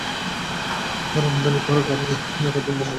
আর আমদানি করা গাড়ি রাখার জন্য বন্দরে আলাদা কোনো ব্যবস্থাও নেই।